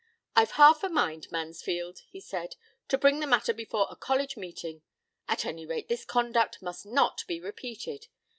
"I've half a mind, Mansfield," he said, "to bring the matter before a college meeting. At any rate, this conduct must not be repeated.